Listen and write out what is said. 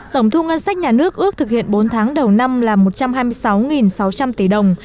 tổng thu ngân sách nhà nước ước thực hiện bốn tháng đầu năm là một trăm hai mươi sáu sáu trăm linh tỷ đồng